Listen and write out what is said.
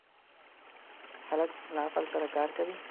هلک له عقل سره کار کوي.